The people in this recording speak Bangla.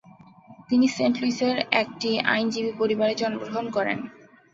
তিনি সেন্ট-লুইসের একটি আইনজীবী পরিবারে জন্মগ্রহণ করেন।